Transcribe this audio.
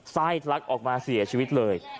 ไส้ทะลักออกมาเสียชีวิตเลย